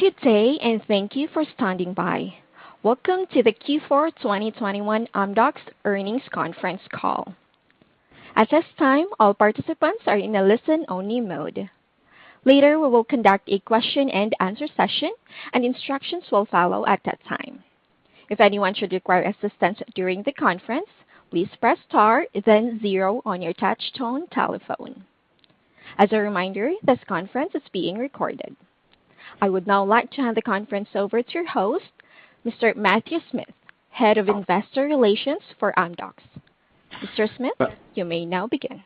Good day, and thank you for standing by. Welcome to the Q4 2021 Amdocs Earnings Conference Call. At this time, all participants are in a listen-only mode. Later, we will conduct a question and answer session, and instructions will follow at that time. If anyone should require assistance during the conference, please press star then zero on your touch tone telephone. As a reminder, this conference is being recorded. I would now like to hand the conference over to your host, Mr. Matthew Smith, Head of Investor Relations for Amdocs. Mr. Smith, you may now begin.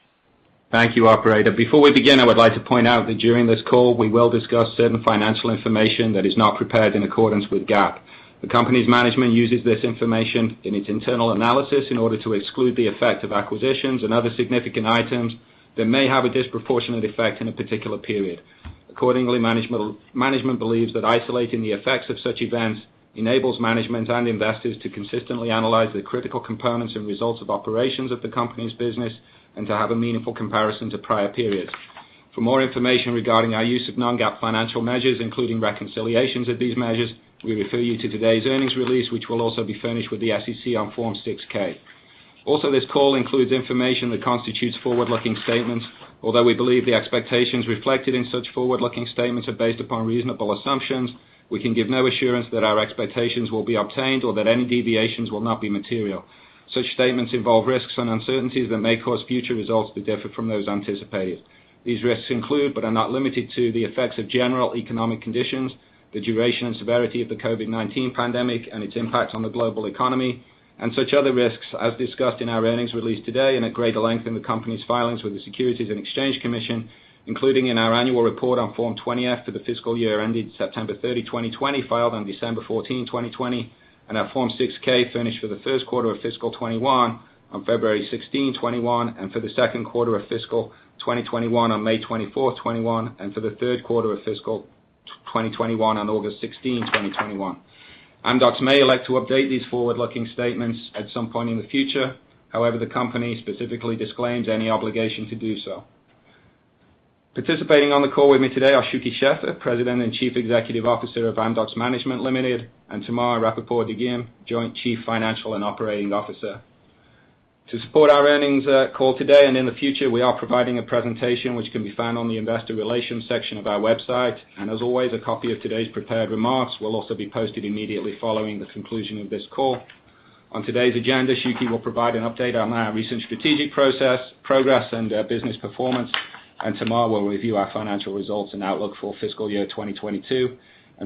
Thank you, operator. Before we begin, I would like to point out that during this call we will discuss certain financial information that is not prepared in accordance with GAAP. The company's management uses this information in its internal analysis in order to exclude the effect of acquisitions and other significant items that may have a disproportionate effect in a particular period. Accordingly, management believes that isolating the effects of such events enables management and investors to consistently analyze the critical components and results of operations of the company's business and to have a meaningful comparison to prior periods. For more information regarding our use of non-GAAP financial measures, including reconciliations of these measures, we refer you to today's earnings release, which will also be furnished with the SEC on Form 6-K. Also, this call includes information that constitutes forward-looking statements. Although we believe the expectations reflected in such forward-looking statements are based upon reasonable assumptions, we can give no assurance that our expectations will be obtained or that any deviations will not be material. Such statements involve risks and uncertainties that may cause future results to differ from those anticipated. These risks include, but are not limited to, the effects of general economic conditions, the duration and severity of the COVID-19 pandemic and its impact on the global economy, and such other risks as discussed in our earnings release today in a greater length in the company's filings with the Securities and Exchange Commission, including in our annual report on Form 20-F for the fiscal year ended September 30, 2020, filed on December 14, 2020, and our Form 6-K furnished for the first quarter of fiscal 2021 on February 16, 2021, and for the second quarter of fiscal 2021 on May 24, 2021, and for the third quarter of fiscal 2021 on August 16, 2021. Amdocs may elect to update these forward-looking statements at some point in the future. However, the company specifically disclaims any obligation to do so. Participating on the call with me today are Shuky Sheffer, President and Chief Executive Officer of Amdocs Management Limited, and Tamar Rapaport-Dagim, Joint Chief Financial and Operating Officer. To support our earnings call today and in the future, we are providing a presentation which can be found on the investor relations section of our website. As always, a copy of today's prepared remarks will also be posted immediately following the conclusion of this call. On today's agenda, Shuky will provide an update on our recent strategic progress and business performance, and Tamar will review our financial results and outlook for fiscal year 2022.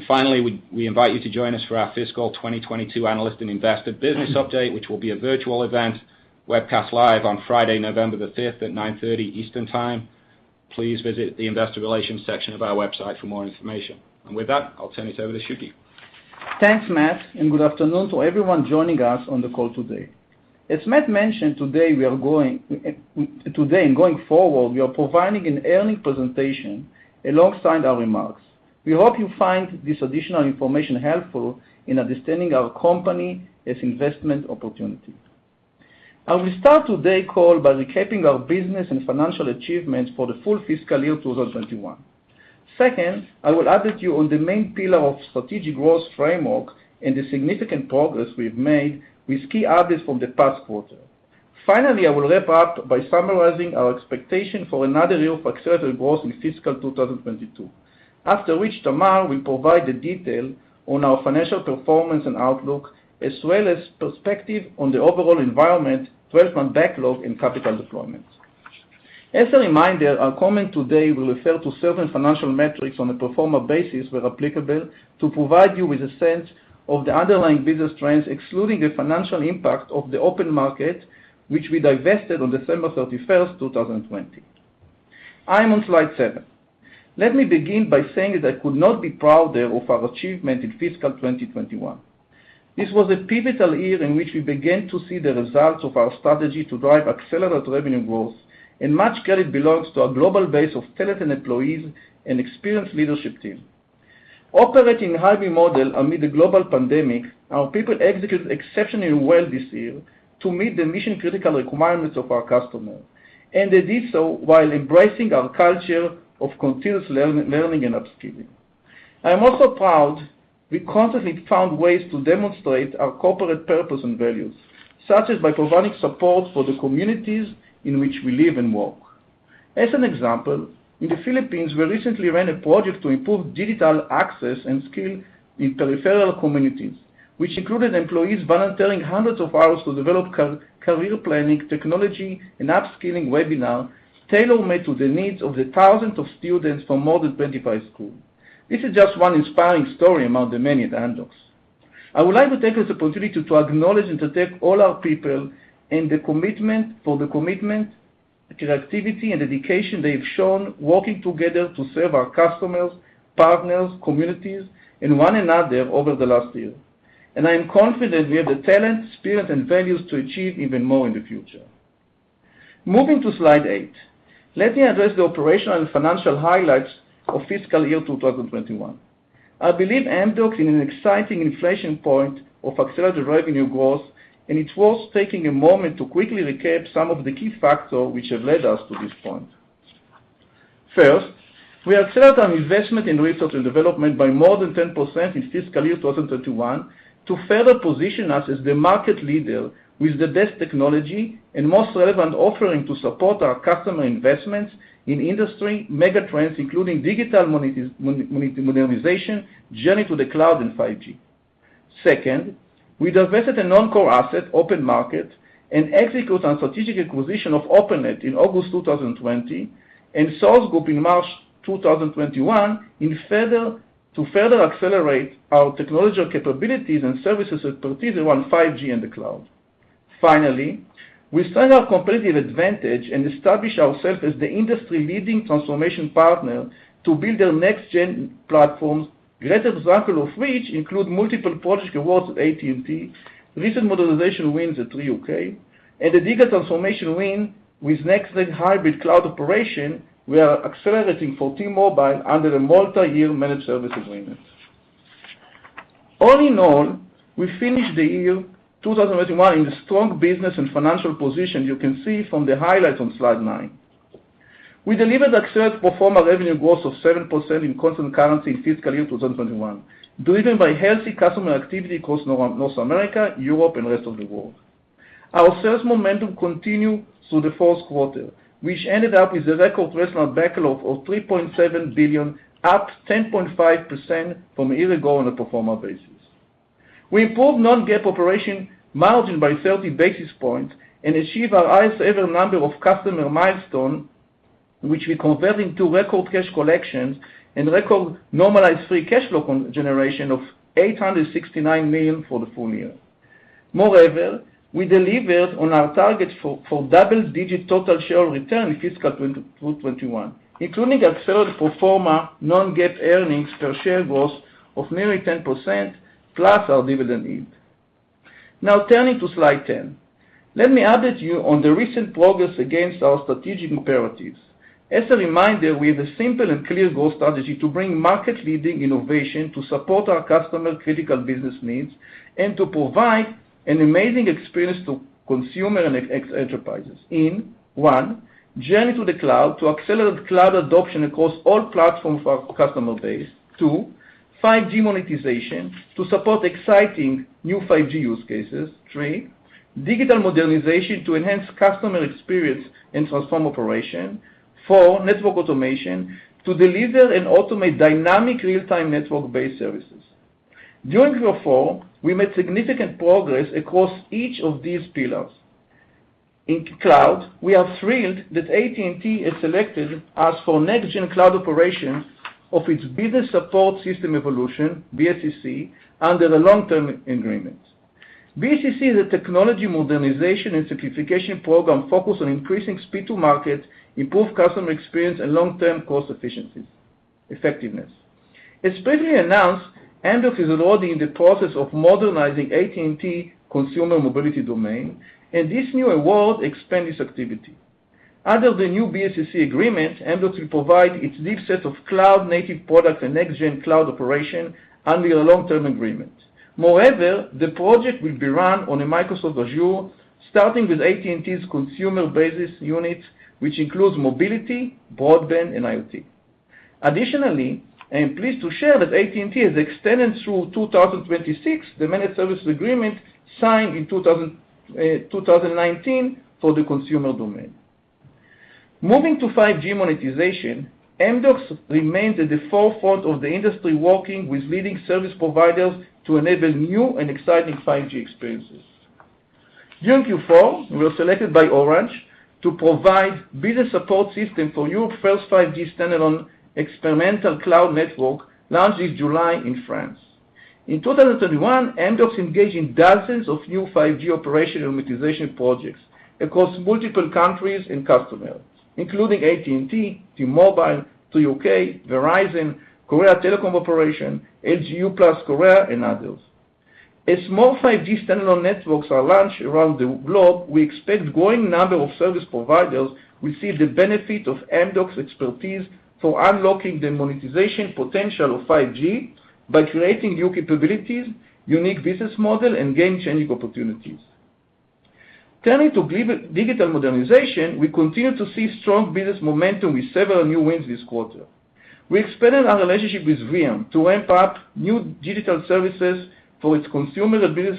Finally, we invite you to join us for our fiscal 2022 analyst and investor business update, which will be a virtual event webcast live on Friday, November 5 at 9:30 Eastern Time. Please visit the investor relations section of our website for more information. With that, I'll turn it over to Shuky. Thanks, Matt, and good afternoon to everyone joining us on the call today. As Matt mentioned, today and going forward, we are providing an earnings presentation alongside our remarks. We hope you find this additional information helpful in understanding our company as an investment opportunity. I will start today's call by recapping our business and financial achievements for the full fiscal year 2021. Second, I will update you on the main pillar of strategic growth framework and the significant progress we've made with key updates from the past quarter. Finally, I will wrap up by summarizing our expectation for another year of accelerated growth in fiscal 2022. After which, Tamar will provide the detail on our financial performance and outlook, as well as perspective on the overall environment, pipeline and backlog and capital deployment. As a reminder, our comment today will refer to certain financial metrics on a pro forma basis where applicable to provide you with a sense of the underlying business trends, excluding the financial impact of OpenMarket, which we divested on December 31, 2020. I am on slide seven. Let me begin by saying that I could not be prouder of our achievement in fiscal 2021. This was a pivotal year in which we began to see the results of our strategy to drive accelerated revenue growth, and much credit belongs to our global base of talented employees and experienced leadership team. Operating in hybrid model amid the global pandemic, our people executed exceptionally well this year to meet the mission-critical requirements of our customer, and they did so while embracing our culture of continuous learning and upskilling. I am also proud we constantly found ways to demonstrate our corporate purpose and values, such as by providing support for the communities in which we live and work. As an example, in the Philippines, we recently ran a project to improve digital access and skill in peripheral communities, which included employees volunteering hundreds of hours to develop career planning, technology, and upskilling webinar, tailor-made to the needs of the thousands of students from more than 25 schools. This is just one inspiring story among the many at Amdocs. I would like to take this opportunity to acknowledge and thank all our people for the commitment, connectivity and dedication they've shown working together to serve our customers, partners, communities and one another over the last year. I am confident we have the talent, spirit, and values to achieve even more in the future. Moving to slide eight. Let me address the operational and financial highlights of fiscal year 2021. I believe Amdocs is in an exciting inflection point of accelerated revenue growth, and it's worth taking a moment to quickly recap some of the key factors which have led us to this point. First, we accelerated our investment in research and development by more than 10% in fiscal year 2021 to further position us as the market leader with the best technology and most relevant offering to support our customer investments in industry megatrends, including digital modernization, journey to the cloud, and 5G. Second, we divested a non-core asset, OpenMarket, and executed on strategic acquisition of Openet in August 2020, and Sourced Group in March 2021 to further accelerate our technological capabilities and services expertise around 5G and the cloud. Finally, we solidified our competitive advantage and established ourselves as the industry-leading transformation partner to build their next-gen platforms. Greatest example of which include multiple project awards with AT&T, recent modernization wins at Three UK, and a digital transformation win with next-gen hybrid cloud operation we are accelerating for T-Mobile under a multi-year managed service agreement. All in all, we finished the year 2021 in a strong business and financial position you can see from the highlights on slide 9. We delivered accelerated pro forma revenue growth of 7% in constant currency in fiscal year 2021, driven by healthy customer activity across North America, Europe, and rest of the world. Our sales momentum continued through the fourth quarter, which ended up with a record backlog of $3.7 billion, up 10.5% from a year ago on a pro forma basis. We improved non-GAAP operating margin by 30 basis points and achieved our highest-ever number of customer milestones, which we convert into record cash collections and record normalized free cash flow generation of $869 million for the full year. Moreover, we delivered on our target for double-digit total shareholder return in fiscal 2021, including 13% pro forma non-GAAP earnings per share growth plus our dividend yield. Now turning to slide 10. Let me update you on the recent progress against our strategic imperatives. As a reminder, we have a simple and clear growth strategy to bring market-leading innovation to support our customer-critical business needs and to provide an amazing experience to consumer and enterprises in one, journey to the cloud to accelerate cloud adoption across all platforms of our customer base. Two, 5G monetization to support exciting new 5G use cases. Three, digital modernization to enhance customer experience and transform operations. Four, network automation to deliver and automate dynamic real-time network-based services. During Q4, we made significant progress across each of these pillars. In cloud, we are thrilled that AT&T has selected us for next-gen cloud operations of its Business Support Systems Evolution, BSSe, under a long-term agreement. BSSe is a technology modernization and simplification program focused on increasing speed to market, improved customer experience, and long-term cost efficiencies and effectiveness. As previously announced, Amdocs is already in the process of modernizing AT&T consumer mobility domain, and this new award expands this activity. Under the new BSSe agreement, Amdocs will provide its deep set of cloud-native products and next-gen cloud operation under a long-term agreement. Moreover, the project will be run on Microsoft Azure, starting with AT&T's consumer-based units, which includes mobility, broadband, and IoT. Additionally, I am pleased to share that AT&T has extended through 2026 the managed services agreement signed in 2019 for the consumer domain. Moving to 5G monetization, Amdocs remains at the forefront of the industry, working with leading service providers to enable new and exciting 5G experiences. During Q4, we were selected by Orange to provide business support system for Europe's first 5G standalone experimental cloud network, launched this July in France. In 2021, Amdocs engaged in dozens of new 5G operation and monetization projects across multiple countries and customers, including AT&T, T-Mobile, Three UK, Verizon, Korea Telecom, LG U+, and others. As more 5G standalone networks are launched around the globe, we expect growing number of service providers will see the benefit of Amdocs' expertise for unlocking the monetization potential of 5G by creating new capabilities, unique business model, and game-changing opportunities. Turning to global digital modernization, we continue to see strong business momentum with several new wins this quarter. We expanded our relationship with VEON to ramp up new digital services for its consumer and business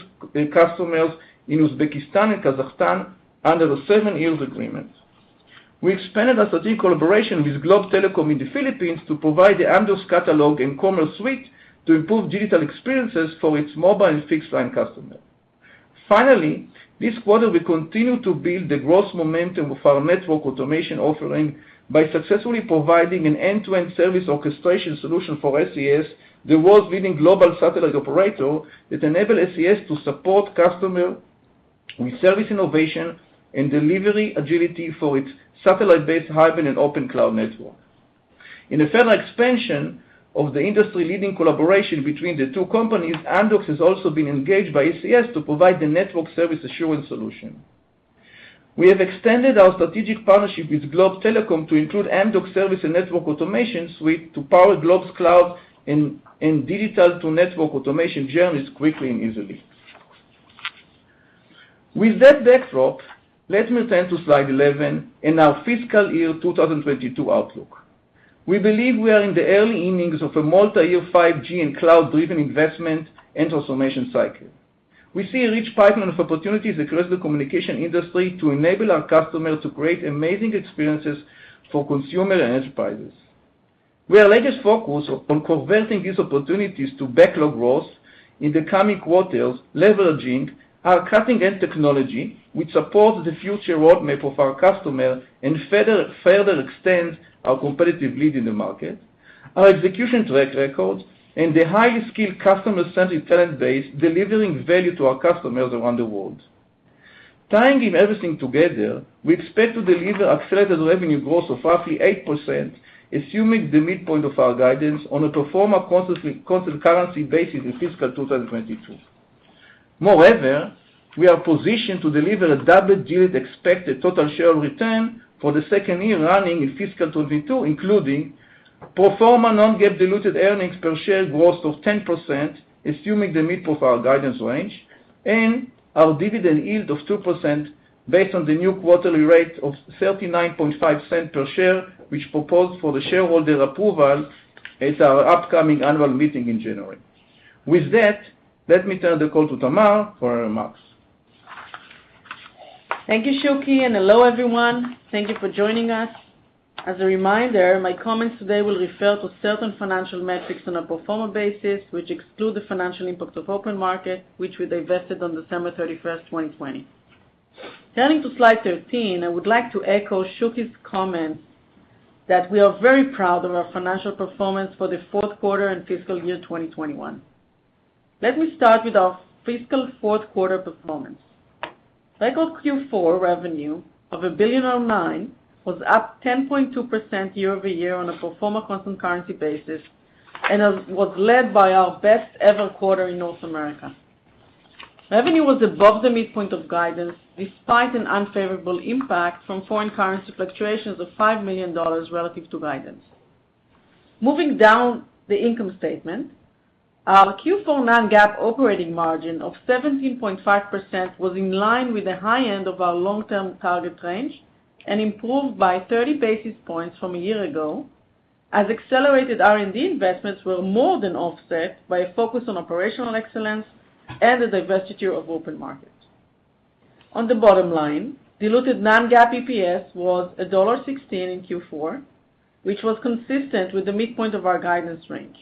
customers in Uzbekistan and Kazakhstan under the seven-year agreement. We expanded our strategic collaboration with Globe Telecom in the Philippines to provide the Amdocs catalog and commerce suite to improve digital experiences for its mobile and fixed line customer. Finally, this quarter, we continued to build the growth momentum of our network automation offering by successfully providing an end-to-end service orchestration solution for SES, the world's leading global satellite operator that enable SES to support customer with service innovation and delivery agility for its satellite-based hybrid and open cloud network. In a further expansion of the industry-leading collaboration between the two companies, Amdocs has also been engaged by SES to provide the network service assurance solution. We have extended our strategic partnership with Globe Telecom to include Amdocs service and network automation suite to power Globe's cloud and digital to network automation journeys quickly and easily. With that backdrop, let me turn to slide 11 and our fiscal year 2022 outlook. We believe we are in the early innings of a multi-year, 5G and cloud-driven investment and transformation cycle. We see a rich pipeline of opportunities across the communication industry to enable our customers to create amazing experiences for consumers and enterprises. We are laser-focused on converting these opportunities to backlog growth in the coming quarters, leveraging our cutting-edge technology, which supports the future roadmap of our customers and further extend our competitive lead in the market, our execution track record, and the highly skilled customer-centric talent base, delivering value to our customers around the world. Tying in everything together, we expect to deliver accelerated revenue growth of roughly 8%, assuming the midpoint of our guidance on a pro forma constant currency basis in fiscal 2022. Moreover, we are positioned to deliver a double-digit expected total share return for the second year running in fiscal 2022, including pro forma non-GAAP diluted earnings per share growth of 10%, assuming the midpoint of our guidance range, and our dividend yield of 2% based on the new quarterly rate of $0.395 per share, which proposed for the shareholder approval at our upcoming annual meeting in January. With that, let me turn the call to Tamar for remarks. Thank you, Shuky, and hello everyone. Thank you for joining us. As a reminder, my comments today will refer to certain financial metrics on a pro forma basis, which exclude the financial impact of OpenMarket, which we divested on December 31, 2020. Turning to slide 13, I would like to echo Shuky's comments that we are very proud of our financial performance for the fourth quarter and fiscal year 2021. Let me start with our fiscal fourth quarter performance. Fiscal Q4 revenue of $1.009 billion was up 10.2% year-over-year on a pro forma constant currency basis, and it was led by our best ever quarter in North America. Revenue was above the midpoint of guidance despite an unfavorable impact from foreign currency fluctuations of $5 million relative to guidance. Moving down the income statement, our Q4 non-GAAP operating margin of 17.5% was in line with the high end of our long-term target range and improved by 30 basis points from a year ago, as accelerated R&D investments were more than offset by a focus on operational excellence and the divestiture of OpenMarket. On the bottom line, diluted non-GAAP EPS was $1.16 in Q4, which was consistent with the midpoint of our guidance range.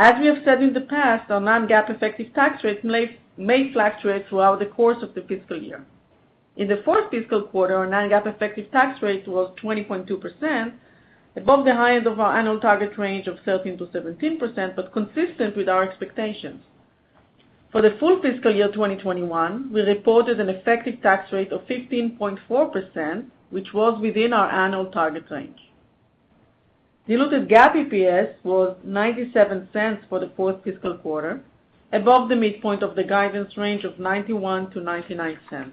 As we have said in the past, our non-GAAP effective tax rate may fluctuate throughout the course of the fiscal year. In the fourth fiscal quarter, our non-GAAP effective tax rate was 20.2%, above the high end of our annual target range of 13%-17%, but consistent with our expectations. For the full fiscal year 2021, we reported an effective tax rate of 15.4%, which was within our annual target range. Diluted GAAP EPS was $0.97 for the fourth fiscal quarter, above the midpoint of the guidance range of $0.91-$0.99.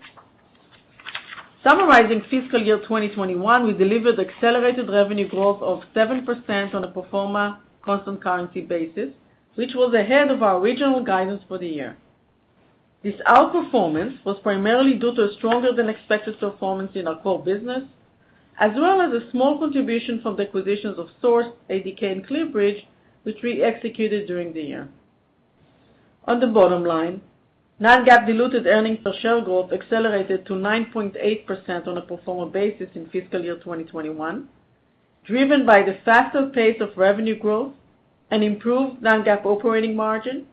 Summarizing fiscal year 2021, we delivered accelerated revenue growth of 7% on a pro forma constant currency basis, which was ahead of our original guidance for the year. This outperformance was primarily due to a stronger than expected performance in our core business, as well as a small contribution from the acquisitions of Sourced, ADK, and Clearbridge, which we executed during the year. On the bottom line, non-GAAP diluted earnings per share growth accelerated to 9.8% on a pro forma basis in fiscal year 2021, driven by the faster pace of revenue growth and improved non-GAAP operating margin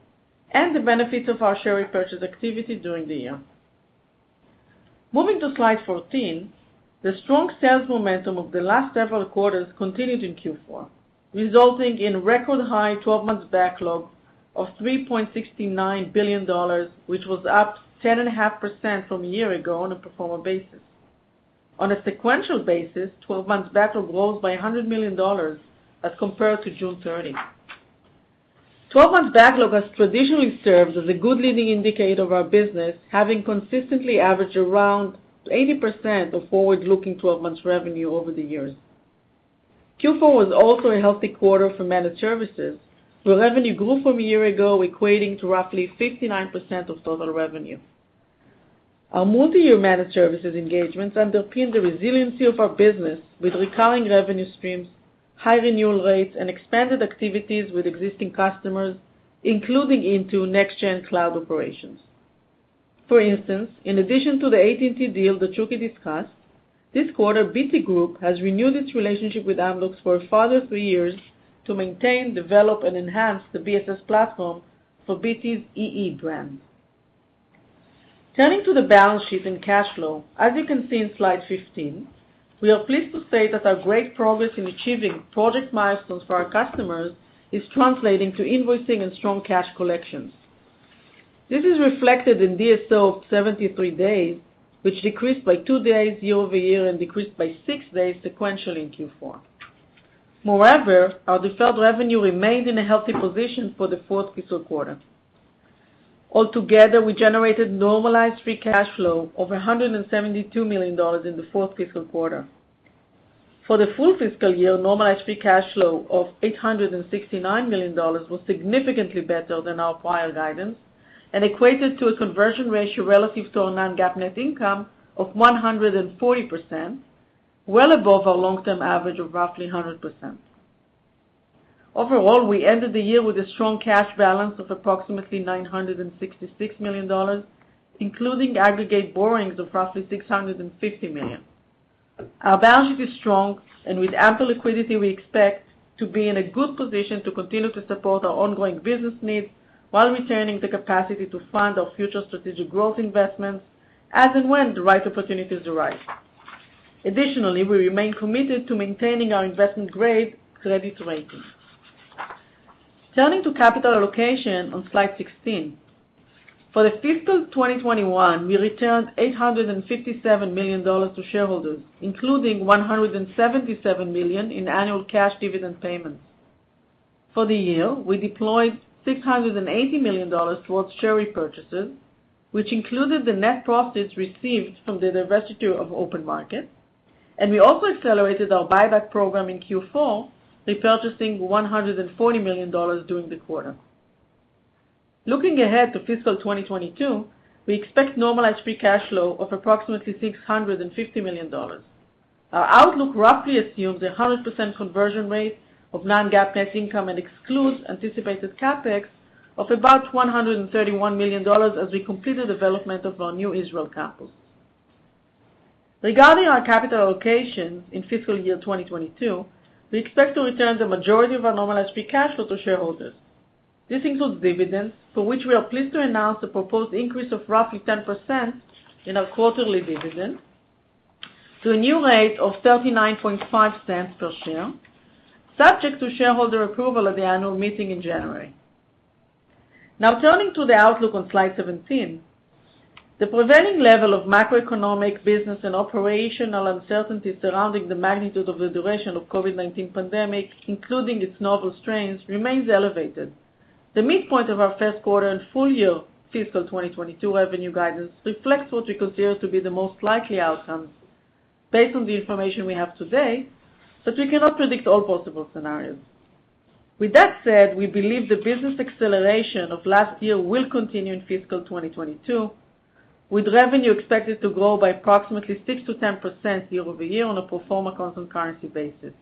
and the benefits of our share repurchase activity during the year. Moving to slide 14, the strong sales momentum of the last several quarters continued in Q4, resulting in record high twelve-month backlog of $3.69 billion, which was up 10.5% from a year ago on a pro forma basis. On a sequential basis, 12-month backlog grows by $100 million as compared to June 30. 12-month backlog has traditionally served as a good leading indicator of our business, having consistently averaged around 80% of forward-looking 12-month revenue over the years. Q4 was also a healthy quarter for managed services, where revenue grew from a year ago, equating to roughly 59% of total revenue. Our multi-year managed services engagements underpin the resiliency of our business with recurring revenue streams, high renewal rates, and expanded activities with existing customers, including into next-gen cloud operations. For instance, in addition to the AT&T deal that Shuky discussed, this quarter, BT Group has renewed its relationship with Amdocs for a further three years to maintain, develop, and enhance the BSS platform for BT's EE brand. Turning to the balance sheet and cash flow, as you can see in slide 15, we are pleased to say that our great progress in achieving project milestones for our customers is translating to invoicing and strong cash collections. This is reflected in DSO of 73 days, which decreased by two days year-over-year and decreased by 6 days sequentially in Q4. Moreover, our deferred revenue remained in a healthy position for the fourth fiscal quarter. Altogether, we generated normalized free cash flow of $172 million in the fourth fiscal quarter. For the full fiscal year, normalized free cash flow of $869 million was significantly better than our prior guidance, and equated to a conversion ratio relative to our non-GAAP net income of 140%, well above our long-term average of roughly 100%. Overall, we ended the year with a strong cash balance of approximately $966 million, including aggregate borrowings of roughly $650 million. Our balance sheet is strong, and with ample liquidity, we expect to be in a good position to continue to support our ongoing business needs while retaining the capacity to fund our future strategic growth investments as and when the right opportunities arise. Additionally, we remain committed to maintaining our investment-grade credit rating. Turning to capital allocation on slide 16. For fiscal 2021, we returned $857 million to shareholders, including $177 million in annual cash dividend payments. For the year, we deployed $680 million towards share repurchases, which included the net profits received from the divestiture of OpenMarket, and we also accelerated our buyback program in Q4, repurchasing $140 million during the quarter. Looking ahead to fiscal 2022, we expect normalized free cash flow of approximately $650 million. Our outlook roughly assumes a 100% conversion rate of non-GAAP net income and excludes anticipated CapEx of about $131 million as we complete the development of our new Israel campus. Regarding our capital allocation in fiscal year 2022, we expect to return the majority of our normalized free cash flow to shareholders. This includes dividends, for which we are pleased to announce the proposed increase of roughly 10% in our quarterly dividend to a new rate of $0.395 per share, subject to shareholder approval at the annual meeting in January. Now, turning to the outlook on slide 17. The prevailing level of macroeconomic business and operational uncertainty surrounding the magnitude of the duration of COVID-19 pandemic, including its novel strains, remains elevated. The midpoint of our first quarter and full year fiscal 2022 revenue guidance reflects what we consider to be the most likely outcomes based on the information we have today, but we cannot predict all possible scenarios. With that said, we believe the business acceleration of last year will continue in fiscal 2022, with revenue expected to grow by approximately 6%-10% year-over-year on a pro forma constant currency basis.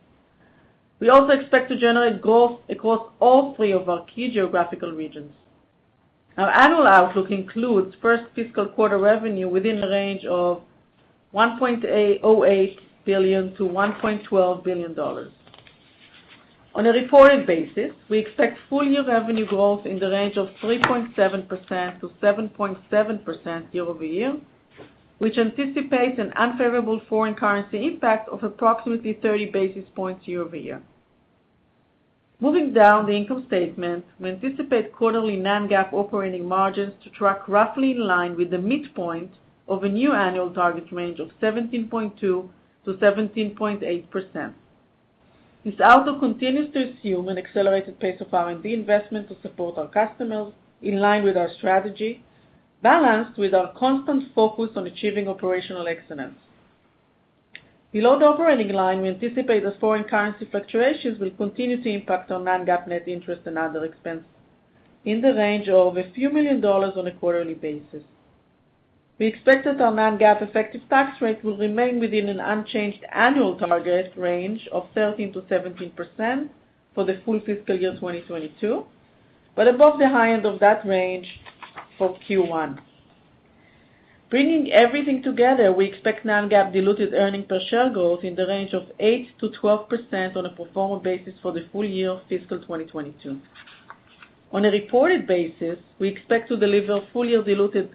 We also expect to generate growth across all three of our key geographical regions. Our annual outlook includes first fiscal quarter revenue within the range of $1.08 billion-$1.12 billion. On a reported basis, we expect full year revenue growth in the range of 3.7%-7.7% year over year, which anticipates an unfavorable foreign currency impact of approximately 30 basis points year over year. Moving down the income statement, we anticipate quarterly non-GAAP operating margins to track roughly in line with the midpoint of a new annual target range of 17.2%-17.8%. This outlook continues to assume an accelerated pace of R&D investment to support our customers in line with our strategy, balanced with our constant focus on achieving operational excellence. Below the operating line, we anticipate that foreign currency fluctuations will continue to impact our non-GAAP net interest and other expense in the range of a few million dollars on a quarterly basis. We expect that our non-GAAP effective tax rate will remain within an unchanged annual target range of 13%-17% for the full fiscal year 2022, but above the high end of that range for Q1. Bringing everything together, we expect non-GAAP diluted earnings per share growth in the range of 8%-12% on a pro forma basis for the full year fiscal 2022. On a reported basis, we expect to deliver full year diluted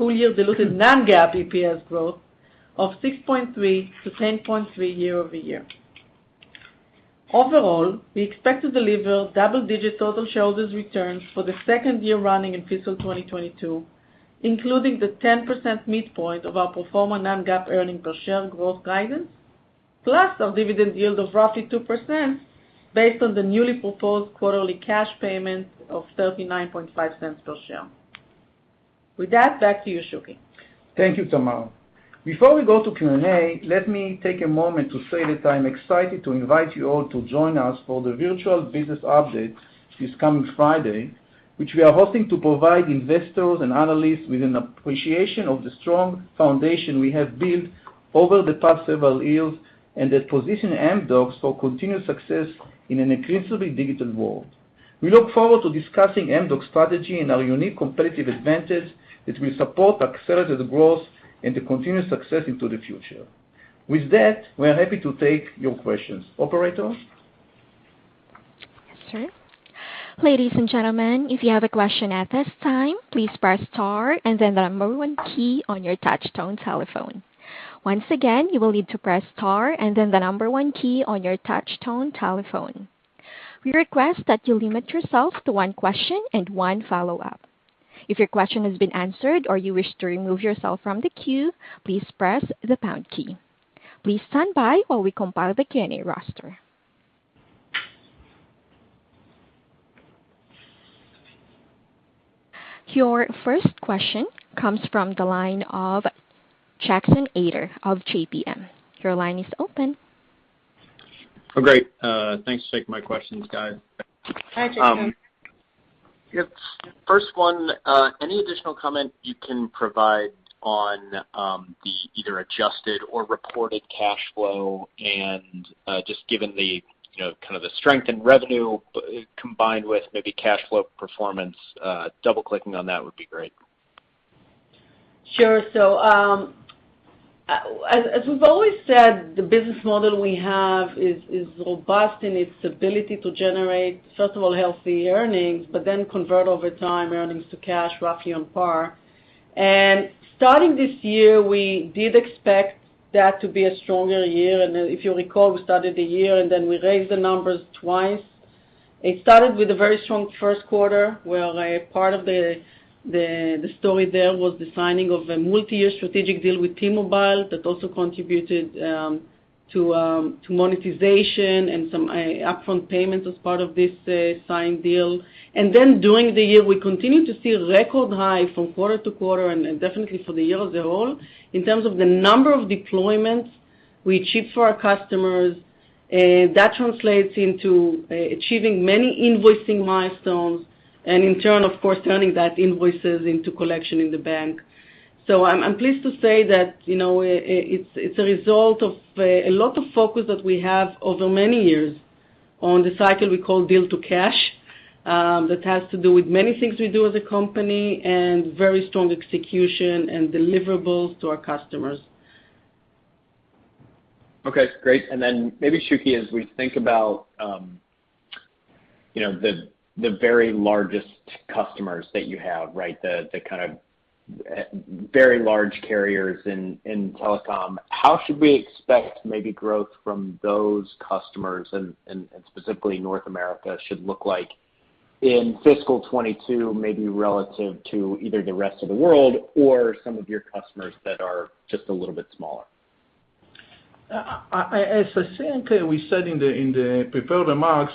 non-GAAP EPS growth of 6.3%-10.3% year-over-year. Overall, we expect to deliver double-digit total shareholders return for the second year running in fiscal 2022, including the 10% midpoint of our pro forma non-GAAP earnings per share growth guidance, plus our dividend yield of roughly 2% based on the newly proposed quarterly cash payment of $0.395 per share. With that, back to you, Shuky. Thank you, Tamar. Before we go to Q&A, let me take a moment to say that I'm excited to invite you all to join us for the virtual business update this coming Friday, which we are hosting to provide investors and analysts with an appreciation of the strong foundation we have built over the past several years, and that position Amdocs for continued success in an increasingly digital world. We look forward to discussing Amdocs' strategy and our unique competitive advantage that will support accelerated growth and the continued success into the future. With that, we are happy to take your questions. Operator? Yes, sir. Ladies and gentlemen, if you have a question at this time, please press star and then the number one key on your touch tone telephone. Once again, you will need to press star and then the number one key on your touch tone telephone. We request that you limit yourself to one question and one follow-up. Your first question comes from the line of Jackson Ader of JPMorgan. Your line is open. Oh, great. Thanks for taking my questions, guys. Hi, Jackson. First one, any additional comment you can provide on the either adjusted or reported cash flow and, just given the, you know, kind of the strength in revenue combined with maybe cash flow performance, double-clicking on that would be great. Sure. As we've always said, the business model we have is robust in its ability to generate, first of all, healthy earnings, but then convert over time earnings to cash roughly on par. Starting this year, we did expect that to be a stronger year. If you recall, we started the year, and then we raised the numbers twice. It started with a very strong first quarter, where part of the story there was the signing of a multi-year strategic deal with T-Mobile that also contributed to monetization and some upfront payments as part of this signed deal. During the year, we continued to see record high from quarter to quarter and definitely for the year as a whole in terms of the number of deployments we achieved for our customers. That translates into achieving many invoicing milestones, and in turn, of course, turning that invoices into collection in the bank. I'm pleased to say that, you know, it's a result of a lot of focus that we have over many years on the cycle we call bill to cash, that has to do with many things we do as a company and very strong execution and deliverables to our customers. Okay, great. Maybe, Shuky, as we think about, you know, the very largest customers that you have, right? The kind of very large carriers in telecom, how should we expect maybe growth from those customers and specifically North America should look like in fiscal 2022, maybe relative to either the rest of the world or some of your customers that are just a little bit smaller? As I think we said in the prepared remarks,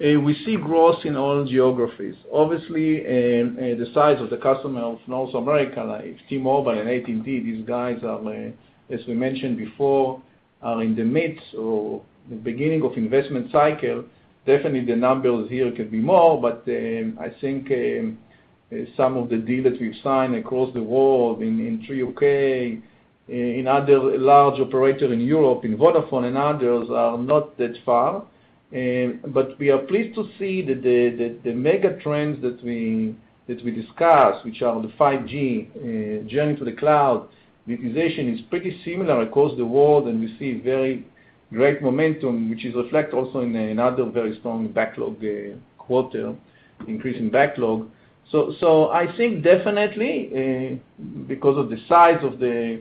we see growth in all geographies. Obviously, the size of the customer of North America, like T-Mobile and AT&T, these guys are, as we mentioned before, in the midst or the beginning of investment cycle. Definitely, the numbers here could be more, but I think some of the deal that we've signed across the world in Three UK, in other large operator in Europe, in Vodafone and others, are not that far. We are pleased to see the mega trends that we discussed, which are the 5G journey to the cloud, virtualization is pretty similar across the world, and we see very great momentum, which is reflect also in another very strong backlog quarter, increase in backlog. I think definitely, because of the size of the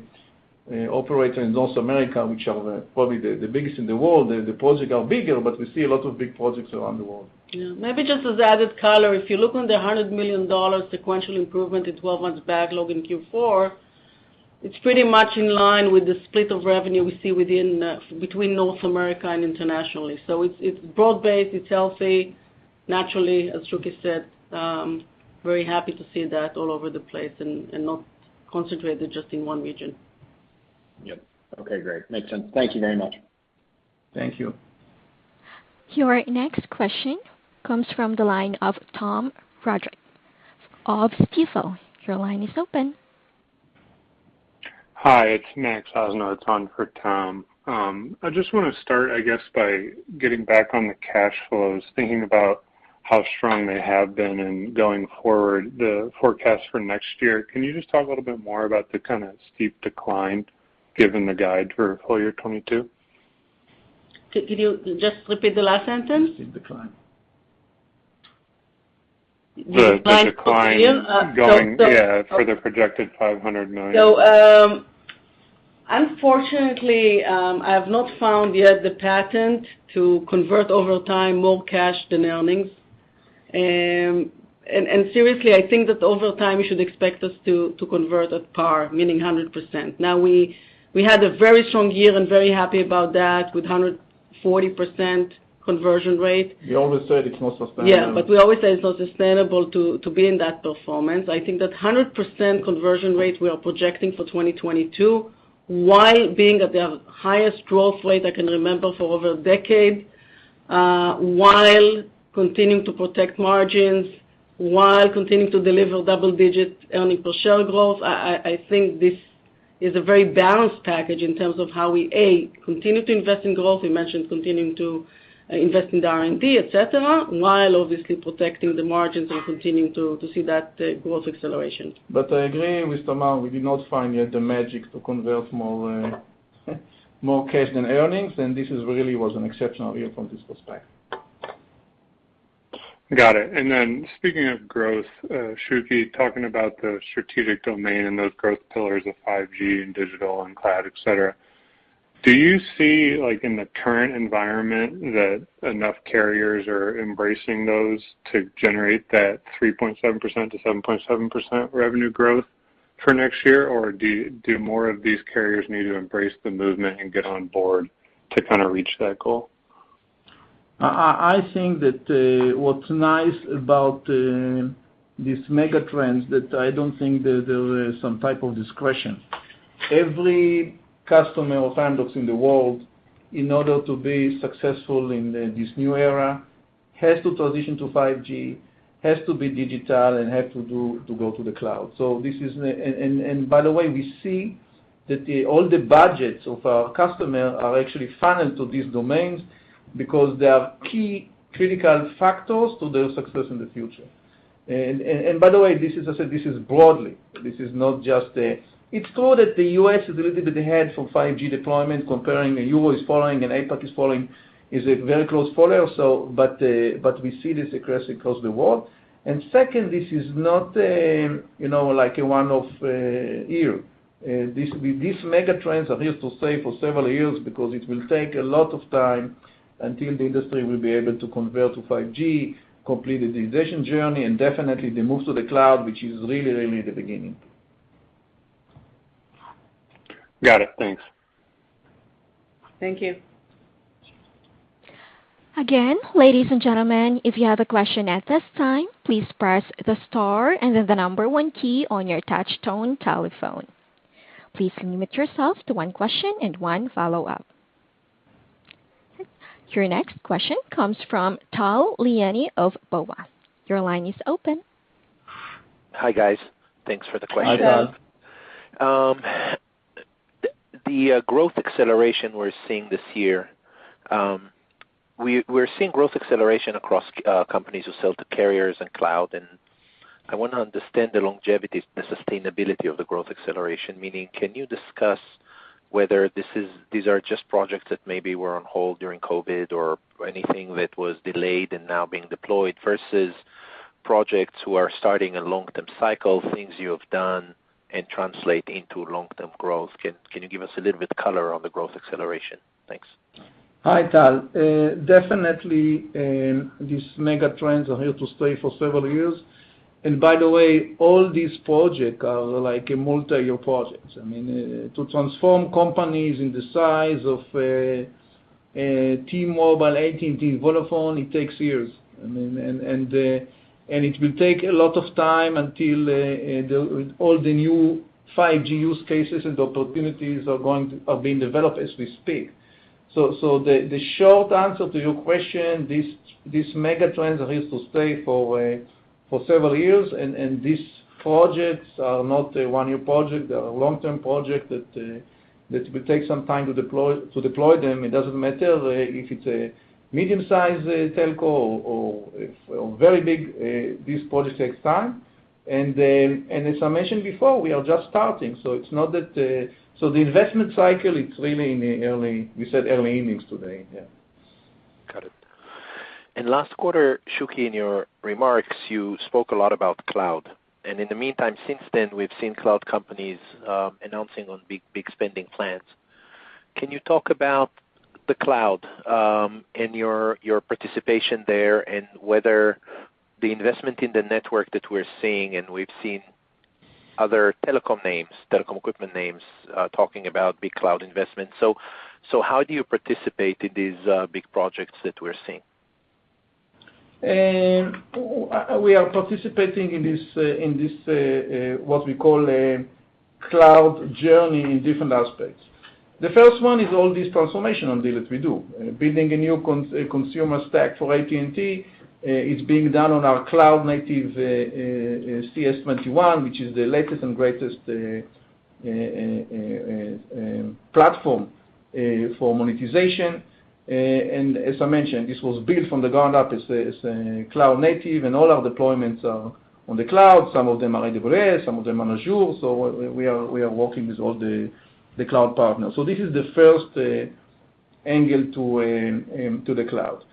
operators in North America, which are probably the biggest in the world, the projects are bigger, but we see a lot of big projects around the world. Yeah. Maybe just as added color, if you look on the $100 million sequential improvement in twelve-month backlog in Q4, it's pretty much in line with the split of revenue we see within between North America and internationally. It's broad-based, it's healthy. Naturally, as Shuky said, very happy to see that all over the place and not concentrated just in one region. Yep. Okay, great. Makes sense. Thank you very much. Thank you. Your next question comes from the line of Tom Roderick of Stifel. Your line is open. Hi, it's Maxwell Osnowitz on for Tom. I just wanna start, I guess, by getting back on the cash flows, thinking about how strong they have been and going forward, the forecast for next year. Can you just talk a little bit more about the kinda steep decline given the guide for full year 2022? Could you just repeat the last sentence? Steep decline. The decline for you? So The decline going, yeah, for the projected $500 million. Unfortunately, I have not found yet the precedent to convert over time more cash than earnings. Seriously, I think that over time, you should expect us to convert at par, meaning 100%. Now, we had a very strong year and we're very happy about that with 140% conversion rate. We always say it's not sustainable. Yeah, we always say it's not sustainable to be in that performance. I think that 100% conversion rate we are projecting for 2022, while being at the highest growth rate I can remember for over a decade, while continuing to protect margins, while continuing to deliver double-digit earnings per share growth. I think this is a very balanced package in terms of how we continue to invest in growth. We mentioned continuing to invest in the R&D, etc., while obviously protecting the margins and continuing to see that growth acceleration. I agree with Tamar. We did not find yet the magic to convert more cash than earnings, and this really was an exceptional year from this perspective. Got it. Speaking of growth, Shuky, talking about the strategic domain and those growth pillars of 5G and digital and cloud, etc. Do you see, like in the current environment, that enough carriers are embracing those to generate that 3.7%-7.7% revenue growth for next year? Or do more of these carriers need to embrace the movement and get on board to kind of reach that goal? I think that what's nice about these mega trends is that I don't think that there is some type of discretion. Every customer of Amdocs in the world, in order to be successful in this new era, has to transition to 5G, has to be digital, and has to go to the cloud. This is broadly true. It's not just a. By the way, we see that all the budgets of our customer are actually funneled to these domains because they are key critical factors to their success in the future. By the way, this is, I said this is broadly. This is not just a. It's true that the U.S. is a little bit ahead for 5G deployment compared to the EU, which is following and APAC is following. It's a very close follower, but we see this across the world. Second, this is not a, you know, like a one-off year. This mega trends are here to stay for several years because it will take a lot of time until the industry will be able to convert to 5G, complete the digitization journey, and definitely the move to the cloud, which is really the beginning. Got it. Thanks. Thank you. Again, ladies and gentlemen, if you have a question at this time, please press the star and then the number one key on your touch tone telephone. Please limit yourself to one question and one follow-up. Your next question comes from Tal Liani of BofA. Your line is open. Hi, guys. Thanks for the question. Hi, Tal. The growth acceleration we're seeing this year across companies who sell to carriers and cloud, and I want to understand the longevity, the sustainability of the growth acceleration. Meaning, can you discuss whether this is, these are just projects that maybe were on hold during COVID or anything that was delayed and now being deployed versus projects who are starting a long-term cycle, things you have done and translate into long-term growth. Can you give us a little bit color on the growth acceleration? Thanks. Hi, Tal. Definitely, these mega trends are here to stay for several years. By the way, all these projects are like multi-year projects. I mean, to transform companies in the size of, T-Mobile, AT&T, Vodafone, it takes years. I mean, and it will take a lot of time until, all the new 5G use cases and opportunities are being developed as we speak. So the short answer to your question, these mega trends are here to stay for several years, and these projects are not a one-year project. They are long-term project that will take some time to deploy them. It doesn't matter if it's a medium-sized telco or if very big, this project takes time. As I mentioned before, we are just starting, so it's not that. The investment cycle is really in the early innings, we said today, yeah. Got it. Last quarter, Shuky, in your remarks, you spoke a lot about cloud. In the meantime since then, we've seen cloud companies announcing on big, big spending plans. Can you talk about the cloud and your participation there, and whether the investment in the network that we're seeing, and we've seen other telecom names, telecom equipment names talking about big cloud investments. How do you participate in these big projects that we're seeing? We are participating in this what we call a cloud journey in different aspects. The first one is all these transformation deals that we do. Building a new consumer stack for AT&T is being done on our cloud native CES21, which is the latest and greatest platform for monetization. As I mentioned, this was built from the ground up. It's a cloud native, and all our deployments are on the cloud. Some of them are AWS, some of them are Azure, so we are working with all the cloud partners. This is the first angle to the cloud.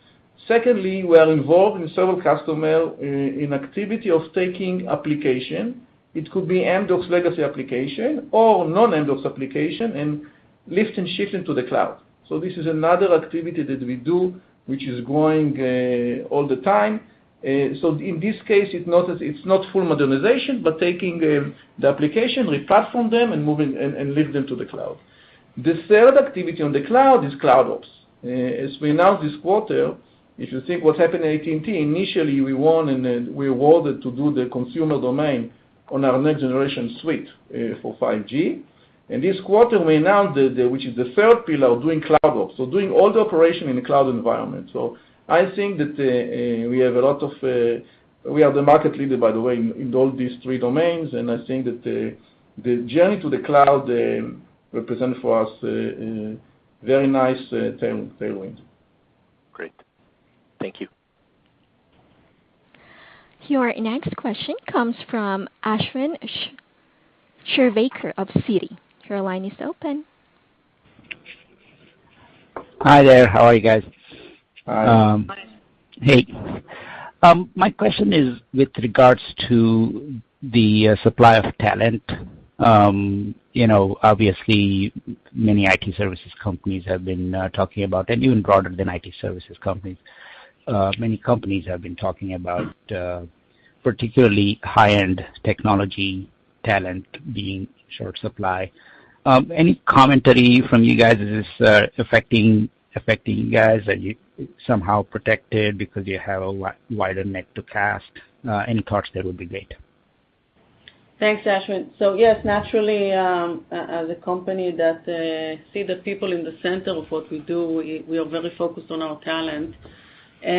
Secondly, we are involved in several customer initiatives in taking applications. It could be Amdocs legacy application or non-Amdocs application, and lift and shift into the cloud. This is another activity that we do, which is growing all the time. In this case, it's not full modernization, but taking the application, re-platform them, and moving and lift them to the cloud. The third activity on the cloud is CloudOps. As we announced this quarter, if you think about what happened to AT&T, initially, we won and we were awarded to do the consumer domain on our next generation suite for 5G. This quarter, we announced the third pillar of doing CloudOps. Doing all the operation in the cloud environment. I think that we are the market leader, by the way, in all these three domains, and I think that the journey to the cloud represent for us very nice tailwind. Great. Thank you. Your next question comes from Ashwin Shirvaikar of Citi. Your line is open. Hi there. How are you guys? Hi. Hey. My question is with regards to the supply of talent. You know, obviously, many IT services companies have been talking about, and even broader than IT services companies, many companies have been talking about particularly high-end technology talent being in short supply. Any commentary from you guys? Is this affecting you guys? Are you somehow protected because you have a wider net to cast? Any thoughts there would be great. Thanks, Ashwin. Yes, naturally, as a company that see the people in the center of what we do, we are very focused on our talent. We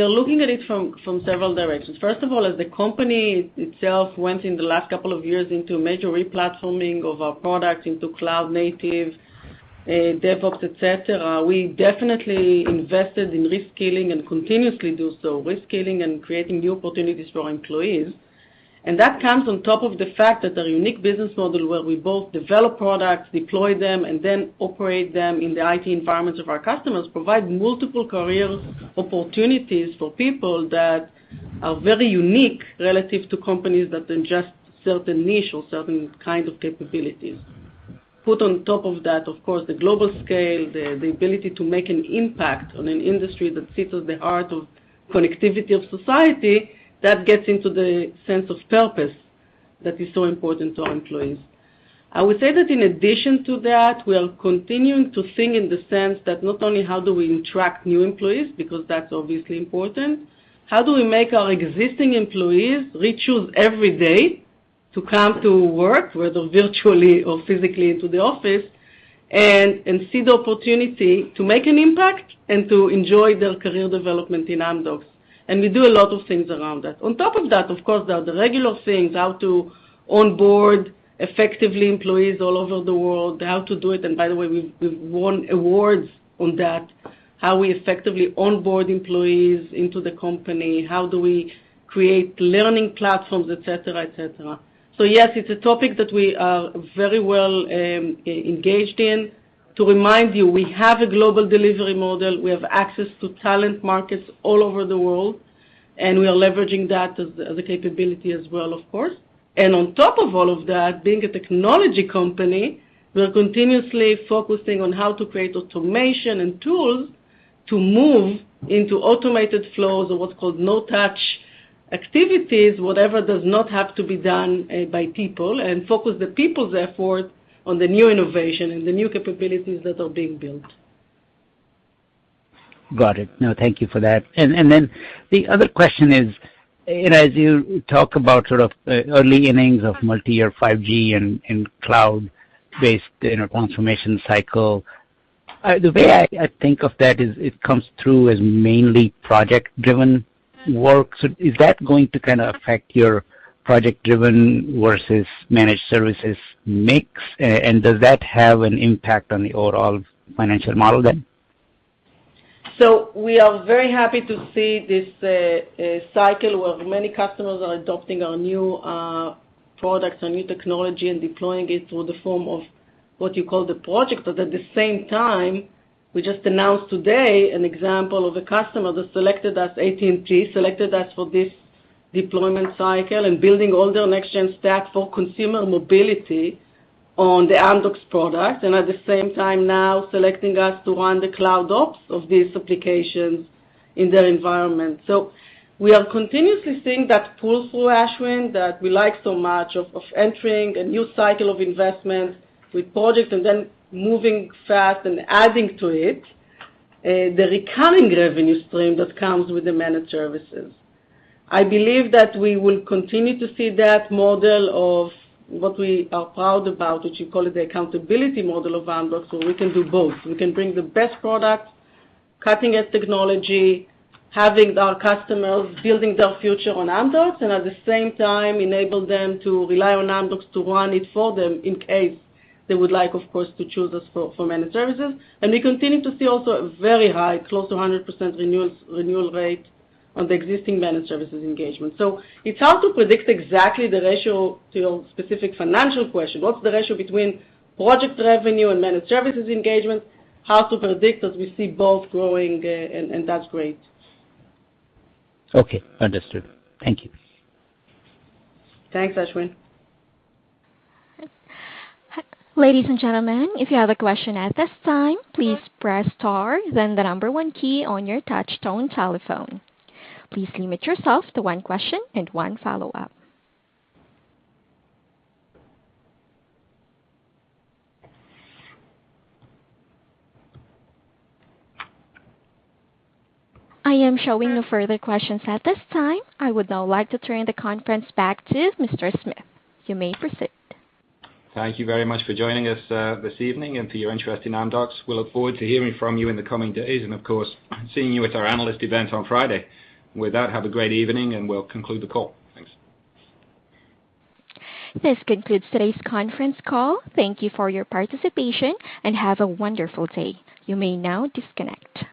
are looking at it from several directions. First of all, as the company itself went in the last couple of years into major re-platforming of our products into cloud native, DevOps, et cetera, we definitely invested in reskilling and continuously do so, reskilling and creating new opportunities for our employees. That comes on top of the fact that our unique business model, where we both develop products, deploy them, and then operate them in the IT environments of our customers, provide multiple career opportunities for people that are very unique relative to companies that are in just certain niche or certain kind of capabilities. Put on top of that, of course, the global scale, the ability to make an impact on an industry that sits at the heart of connectivity of society, that gets into the sense of purpose that is so important to our employees. I would say that in addition to that, we are continuing to think in the sense that not only how do we attract new employees, because that's obviously important, how do we make our existing employees re-choose every day to come to work, whether virtually or physically into the office, and see the opportunity to make an impact and to enjoy their career development in Amdocs? We do a lot of things around that. On top of that, of course, there are the regular things, how to onboard effectively employees all over the world, how to do it, and by the way, we've won awards on that, how we effectively onboard employees into the company, how do we create learning platforms, et cetera, et cetera. Yes, it's a topic that we are very well engaged in. To remind you, we have a global delivery model. We have access to talent markets all over the world, and we are leveraging that as a capability as well, of course. On top of all of that, being a technology company, we're continuously focusing on how to create automation and tools to move into automated flows or what's called no-touch activities, whatever does not have to be done by people, and focus the people's effort on the new innovation and the new capabilities that are being built. Got it. No, thank you for that. The other question is, you know, as you talk about sort of early innings of multi or 5G and cloud-based digital transformation cycle, the way I think of that is it comes through as mainly project-driven work. Is that going to kinda affect your project-driven versus managed services mix? Does that have an impact on the overall financial model then? We are very happy to see this cycle where many customers are adopting our new products, our new technology, and deploying it through the form of what you call the project. At the same time, we just announced today an example of a customer that selected us, AT&T selected us for this deployment cycle and building all their next gen stack for consumer mobility on the Amdocs product, and at the same time now selecting us to run the CloudOps of these applications in their environment. We are continuously seeing that pull-through, Ashwin, that we like so much of entering a new cycle of investment with project and then moving fast and adding to it the recurring revenue stream that comes with the managed services. I believe that we will continue to see that model of what we are proud about, which you call it the accountability model of Amdocs, so we can do both. We can bring the best product, cutting-edge technology, having our customers building their future on Amdocs, and at the same time enable them to rely on Amdocs to run it for them in case they would like, of course, to choose us for managed services. We continue to see also a very high, close to 100% renewal rate on the existing managed services engagement. It's hard to predict exactly the ratio to your specific financial question. What's the ratio between project revenue and managed services engagement? Hard to predict, as we see both growing, and that's great. Okay. Understood. Thank you. Thanks, Ashwin. Ladies and gentlemen, if you have a question at this time, please press star then the number one key on your touch tone telephone. Please limit yourself to one question and one follow-up. I am showing no further questions at this time. I would now like to turn the conference back to Mr. Smith. You may proceed. Thank you very much for joining us this evening and thank you for your interest in Amdocs. We'll look forward to hearing from you in the coming days and of course, seeing you at our analyst event on Friday. With that, have a great evening, and we'll conclude the call. Thanks. This concludes today's conference call. Thank you for your participation, and have a wonderful day. You may now disconnect.